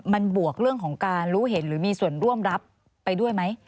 มันบวกเรื่องของการรู้เห็นหรือมีส่วนร่วมรับไปด้วยไหม